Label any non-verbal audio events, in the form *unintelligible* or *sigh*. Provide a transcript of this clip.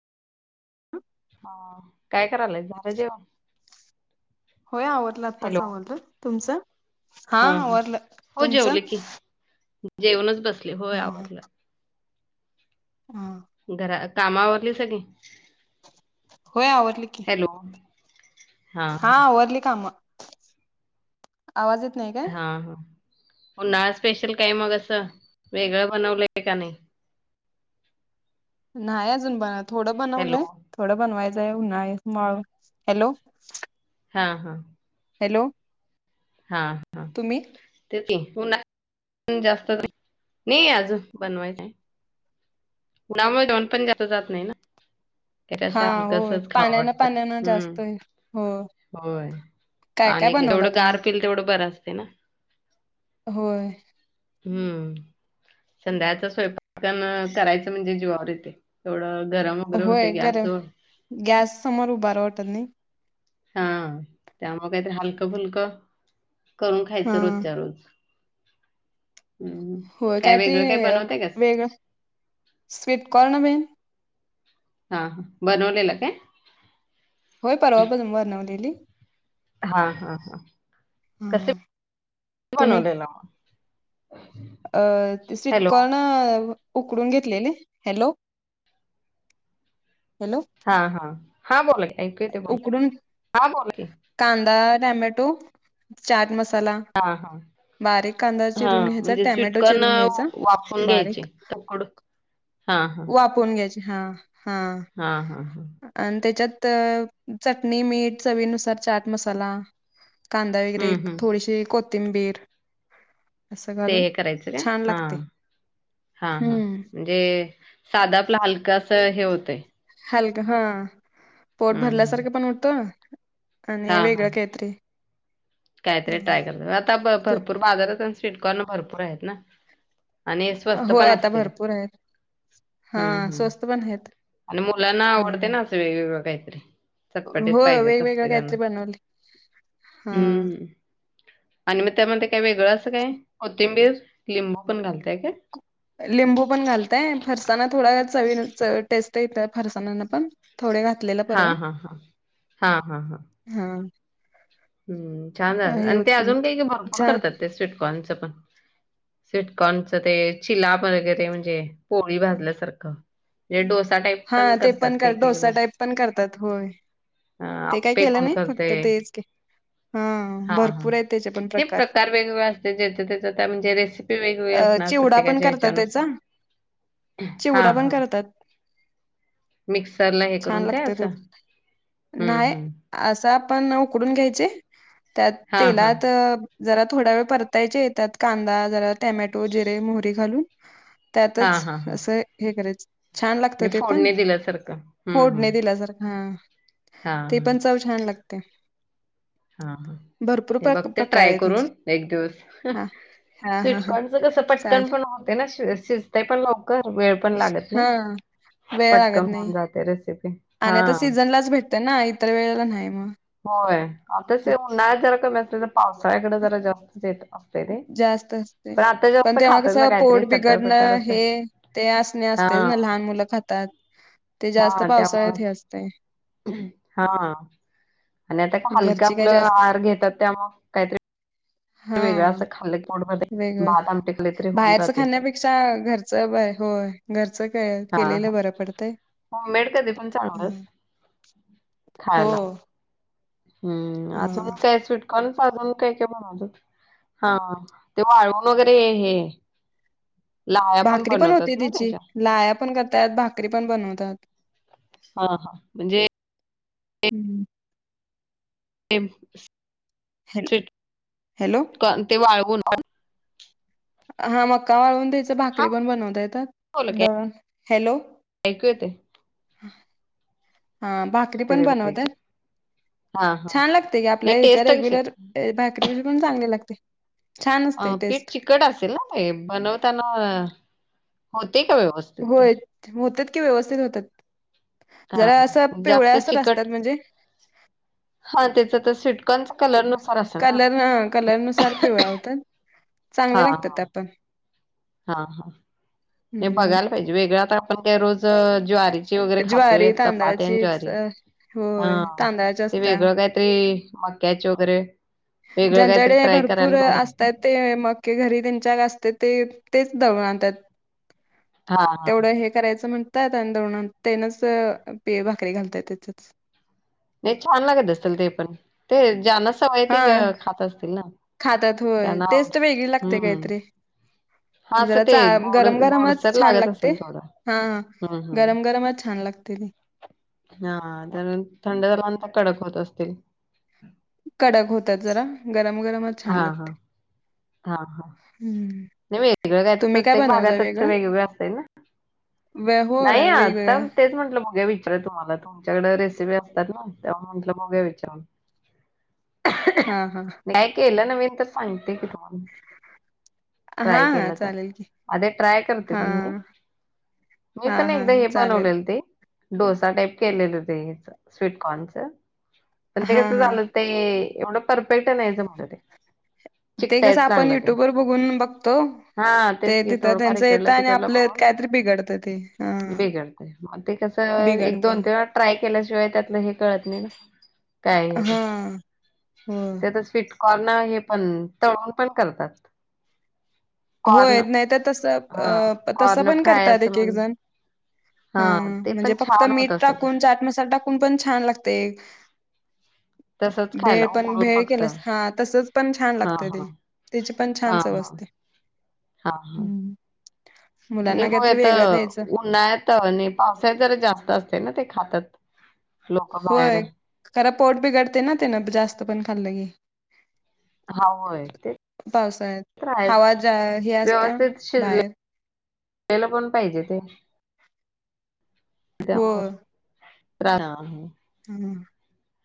हं. काय करालय झालं जेवण? होय आवरलं आत्ताच हॅलो आवरलं, तुमचं? हा आवरलं तुमचं? जेवूनच बसले, होय हा आवरलं. हं. घरा, काम आवरली सगळी? होय आवरली की. हॅलो. हा आवरली काम, आवाज येत नाही. काय? हा-हा, पुन्हा आज स्पेशल काय मग असं, वेगळं बनवलंय का नाही? नाही अजून बन थोडं हॅलो बनवलंय, थोडं बनवायचंय उन्हाळी मळून. हॅलो. हा-हा. हॅलो. हा-हा. तुम्ही त कि उन्हात जास्त नाही अजून बनवातंय. उन्हामुळे जेवण पण जास्त जात नाही ना. त्यात हा असं होय, हलकसच खावं वाटतं पाण्यान-पाण्यानं जास्त हे हम्म हो. होय काय काय पाणी, बनवला जेवढं तुम्ही? गार पिल तेवढं बरं असते ना? होय. हम्म. संध्याकाळच स्वयंपाक करायचं म्हणजे जीवावर येते तेवढं गरम वगैरे होतंय होय, गर गॅसवर गॅस समोर उभा राहू वाटत नाही. हा त्यामुळे काहीतरी हलकं- फुलकं करून हा खायचं रोजच्या रोज. ह्म. होय काय ते वेगळं स्वीटकॉर्न बीन. हा, बनवलेलं काय? होय परवा पासून बनवलेली. हा-हा-हा, कसे हा तुम्ही बनवलेलं. अ ते स्वीटकॉर्न उकडून घेतलेले हॅलो-हॅलो. हा-हा-हा बोला ऐकू येतंय बोल उकडून हा बोल की. कांदा टमॅटो चाट मसाला. हा-हा. बारीक कांदा हा चिरून घ्यायचा म्हणजे स्वीट टॅमॅटो कॉर्न चिरून घ्यायचा वाफवून घ्यायचे बारीक का उकडून? हा. वाफवून घ्यायचे हा-हा. हा हा हा. आणि त्याच्यात चटणी मीठ चवीनुसार चाट मसाला. कांदा वगैरे हम्म हम्म थोडीशी कोथिंबीर. असं ते घालून हे करायचं का छान लागते हा-हा-हा हम्म ते साधं आपलं हलक अस हे होतंय. हलक हा पोट हम्म हम्म. भरल्यासारखं पण होत. आणि वेगळं काही तरी. काही तरी ट्रय करत आता भरपूर बाजारात आणि स्वीटकॉर्न भरपूर आहेत ना. आणि हे स्वस्त हो पण आता असतील भरपूर आहेत हा हम्म-हम्म. *unintelligible* आहेत. आणि मुलांना आवडते हम्म. ना असं वेगवेगळं काहीतरी चटपटीत पाहिजेच असते. काही त्यांना. तरी बनवली. हा. हम्म आणि मग त्यामध्ये काय वेगळं असं काय कोथिंबीर लिंबू पण घालतय काय? लिंबू पण घालतय फरसाणा थोडा चवी टेस्ट येतय फरसाणांना पण. थोडे घातलेलं हा परवा हा हा. हा हा हा. हा. हम्म छान हे आणि ते होते मग अजून काही भरपूर छान करतात ते स्वीटकॉर्नच पण? स्वीटकॉर्नच ते चिला बर्गर म्हणजे पोळी भाजल्यासारखं. हे डोसा टाईप. हा ते करतात पण एक एकदा डोसा टाईप पण करतात होय. अ ते काय केलं नाही फक्त तेच क *unintelligible* हा-हा हे प्रकार वेगवेगळे असते ज्या त्याचा त्या म्हणजे रेसिपी वेगवेगळी असणार प्रत्येकाच्या. त ह्याच्यानुसार त्याचा हा चिवडा पण हा करतात. मिक्सरला हे छान करून काय लागत असं तो नाही हम्म-हम्म. असं आपण उकडून घ्यायचे त्यात हा हा तेलात जरा थोड्या वेळ परतायचे त्यात कांदा जरा टॅमॅटो जिरे मोहरी घालून हा त्यातच हा हा असं हे करायचं छान म्हणजे लागत. पण फोडणी दिल्यासारखं हम्म हम्म फोडनी दिल्यासारखं हा ते हा पण चव छान लाग ते. हा-हा ते बघते ट्राय करून त्याचे एक दिवस. हा हा हा हा स्वीटकॉर्नच कसं पटकन चालेल पण होते ना श शिजताय पण लवकर वेळ पण लागत नाही. हा वेळ लागत पटकन नाही होऊन जाते रेसिपी. आणि आता हां. सीझनलाच भेटत ना इतर वेळेला नाही मग. होय आता उन्हाळ्यात जरा कमी असत तर पावसाळ्याकडे जरा जास्तच येत. ते. जास्त असते पण आता जास्त पण तेव्हा खातात ना कसं काहीतरी पोट चटर-पटर बिघडणं असं. हे ते असणे असतेच हां. ना लहान मुलं खातात ते जास्त पावसाळ्यात हे असते. हा आणि आता काय हलका घरची काय आपलं जास्त आहार घेतात त्यामू वेगळां हा खाल्लं आस खाल्लं की पोट भरत वेगळं, बाहेरच खाण्यापेक्षा अ घरच ब, होय घरच काय केलेलं बरं पडतंय. होम मेड कधी पण चांगल. हम्म. हो हम्म, आज म हा. काय स्वीट? काल साजून काय काय बनवलंय?, हा ते वाळव वगैरे हे लाह्या भाकरी पण बनवतात होती ना तिची, त्याच्या? लाह्या पण करतात भाकरी पण बनवतात. हा हा म्हणजे हम्म हॅल *inaudible* हॅलो काल ते वाळवून हा मका वाळवून त्याच हां, भाकरी पण बनवता येतात, बोला की दळून, हॅलो ऐकू येतय. हा भाकरी ते पण ते बकरीची. बनवत्यात? हां, हां. छान लागते की ते आपल्या ह्याच्या टेस्ट कशी रेग्युलर, अ भाकरी पेक्षा पण चांगली लागते. छान अ असते पीठ टेस्ट. चिकट असेल ना ते, बनवताना अ होतय काय व्यवस् होय, होत्यात की व्यवस्थित होत्यात. हां, जरा असं हां. जास्त पिवळ्यासर असतात म्हणजे हा त्याच तर सीट पंच कलर हम्म, कलर हा कलरनुसार पिवळा होतात चांगल्या लागत्यात त्या त *inaudible* हा हा नाही बघायला पाहिजे, वेगळा पण आपण काय रोज अ ज्वारीची ची वगैरे ज्वारी खातोय, चपाती आणि तांदळाचीच ज्वारी, अ, हा होय तांदळाच्या ते असत्या वेगळ काय ते मक्याचे वगैरे वेगळं काहीतरी ज्यांच्याकडे ट्राय भरपूर करायला बरं आहे असतात ते मके घरी त्यांच्यात असत्यात ते, तेच दळून आणत्यात हा हा तेवढं हे करायचं म्हणतात आणि दळून आण तेनच अ ते भाकरी घालत्यात त्याच्याच. नाही छान लागत असेल ते पण, ते ज्यांना सवय ती अ खात असतील ना. खात्यात होय, त्यांना आवड टेस्ट वेगळी लागत्या हम्म काहीतरी. हा अस जरा ते चा गोड, गरम गरमच गोडसर छान लागत लागते असल थोड. हा, गरम गरमच छान लागतय ते. हा, तर थंड झाल म्हणून त्या कडक होत असतील. कडक होत्यात जरा, गरम-गरमच हा छान हा लागतय. हा हा हम्म नाही वेगळं काय तर, तुम्ही प्रत्येक बनवता भागातच वेगळं वेगवेगळं असतंय ना. वे नाही होय आता वेगवेगळं तेच म्हंटल बघूया विचार तुम्हाला तुमच्याकडे रेसिपी असतात ना, तेव्हा म्हंटल बघूया विचारून. हा हा काय केलं नवीन तर, सांगते की तुम्हाला. हा ट्राय हा केलं तर, चालेल की आधी ट्राय करते हा मी हे मी हा पण हा एकदा हे चालेल बनवलेल ते डोसा, टाईप केलेलं ते हेच स्वीटकॉर्नच, पण ते हा कसं हा झालं ते एवढं परफेक्ट नाही जमल ते. ते कसं चिकटायच आपण लागलं ते युट्यूब वर बघून बघतो हा तेच ते की तिथ थोडंफार त्यांच येतं इकडलं आणि तिकडलं आपल्यात बघून कायतरी बिघडत ते, हा बिघडते ते कसं एक बिघडतय दोन तीन वेळा ट्राय केल्याशिवाय त्यातलं हे कळत नाही ना. काय ते हा होय ते आता स्वीटकॉर्न हे पण तळून पण करतात. कॉर्न होय नाही तर तसं हा अ तसं कॉर्न पण फ्राय करतायेत असं एक एक म्हण जण. हा हम ते पण म्हणजे फक्त छान होत मीठ असेल. टाकून, चाट मसाला टाकून पण छान लागतय. *inaudible* खायला भेळ पण उकडून भेळ फक्त केलंस, हा तसच पण छान लागतय हा ते. त्याची पण छान हा चव हा असते. हा हा. *unintelligible* मुलांना काहीतरी येत वेगळं द्यायचं उन्हाळ्यात आणि पावसात जर जास्त असतय ना ते खातात. लोक बाहेर होय, खर पोट बिघडतय ना तेन जास्त पण खाल्लं की. हा होय ते पावसाळ्यात तर आहेच हवा ज्या हे असत्या बाहेर याला पण पाहिजे ते हो त्यावर. प्रारा हम.